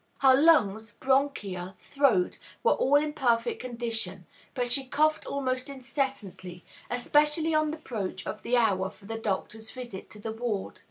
Her lungs, bronchia, throat, were all in perfect condition; but she coughed almost incessantly, especially on the approach of the hour for the doctor's visit to the ward.